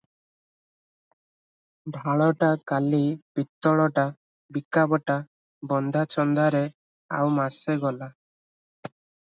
ଢାଳଟା କାଲି ପିତ୍ତଳଟା ବିକାବଟା ବନ୍ଧାଛନ୍ଦାରେ ଆଉ ମାସେ ଗଲା ।